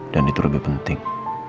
dan itu lebih penting